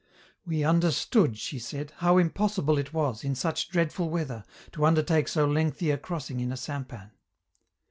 "We understood," she said, "how impossible it was, in such dreadful weather, to undertake so lengthy a crossing in a sampan."